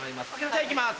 じゃあいきます